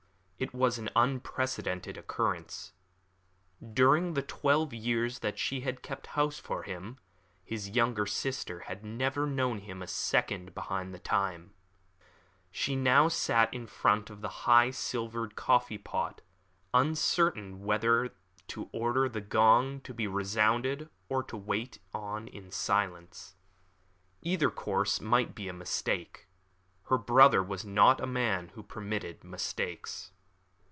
It was an unprecedented occurrence. During the twelve years that she had kept house for him, his youngest sister had never known him a second behind his time. She sat now in front of the high silver coffee pot, uncertain whether to order the gong to be resounded or to wait on in silence. Either course might be a mistake. Her brother was not a man who permitted mistakes.